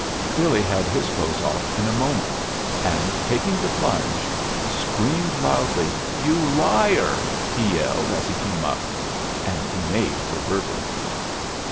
Billy had his clothes off in a moment, and, taking the plunge, screamed loudly "You liar!" he yelled, as he came up. And he made for Bertie.